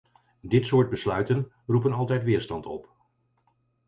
Dit soort besluiten roepen altijd weerstand op.